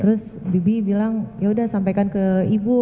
terus bibi bilang yaudah sampaikan ke ibu